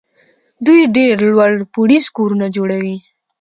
دوی ډېر لوړ پوړیز کورونه جوړوي.